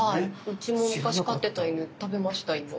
うちも昔飼ってた犬食べました芋。